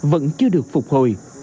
vẫn chưa được phục hồi